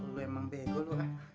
lu emang bego lu kan